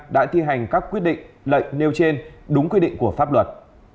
đã thi hành các quyết định lệnh nêu trên đúng quy định của pháp luật